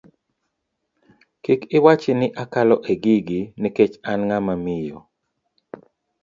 Kik iwachi ni akalo e gigi nikech an ng'ama miyo.